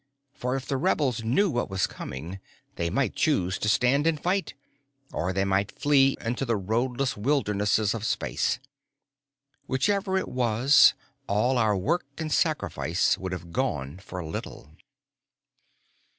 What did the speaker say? For if the rebels knew what was coming, they might choose to stand and fight, or they might flee into the roadless wildernesses of space. Whichever it was, all our work and sacrifice would have gone for little.